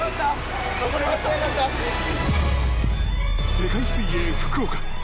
世界水泳福岡。